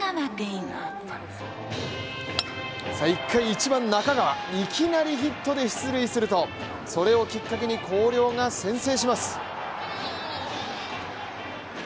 １回、１番・中川、いきなりヒットで出塁するとそれをきっかけに広陵が先制します。